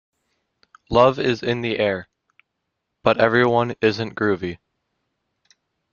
Love is in the air, but everyone isn't groovy.